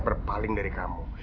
berpaling dari kamu